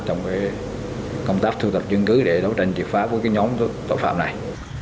trong công tác thu thập chứng cứ để đấu tranh triệt phá với nhóm tội phạm này